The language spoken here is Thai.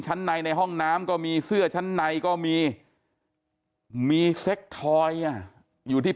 ชั้นในในห้องน้ำก็มีเสื้อชั้นในก็มีมีเซ็กทอยอ่ะอยู่ที่